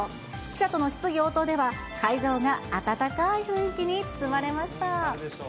記者との質疑応答では、会場が温かい雰囲気に包まれました。